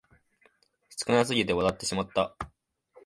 少なすぎて笑ってしまった